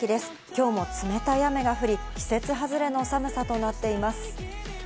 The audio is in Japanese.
今日も冷たい雨が降り、季節外れの寒さとなっています。